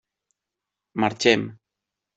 Marxem.